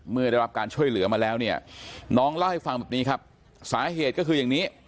เมื่อได้รับการช่วยเหลือมาแล้วเนี่ยน้องเล่าให้ฟังแบบนี้ครับสาเหตุก็คืออย่างนี้